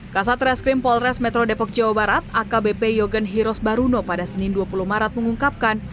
kasat reskrim polres metro depok jawa barat akbp yogen hiros baruno pada senin dua puluh maret mengungkapkan